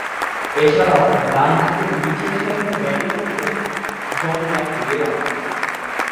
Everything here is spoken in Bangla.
এছাড়াও, ডানহাতে নিচেরসারিতে ব্যাটিং করতেন জন ম্যাকলিরন।